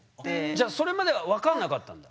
じゃそれまでは分かんなかったんだ？